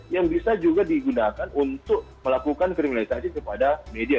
yang bisa juga digunakan untuk melakukan kriminalisasi kepada media